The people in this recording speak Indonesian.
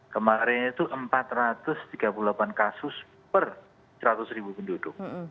kemarin itu empat ratus tiga puluh delapan kasus per seratus ribu penduduk